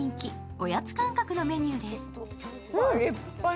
おやつ感覚のメニューです。